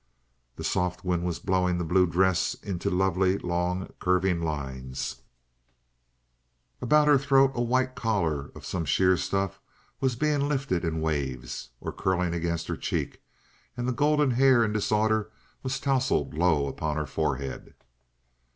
The soft wind was blowing the blue dress into lovely, long, curving lines; about her throat a white collar of some sheer stuff was being lifted into waves, or curling against her cheek; and the golden hair, in disorder, was tousled low upon her forehead.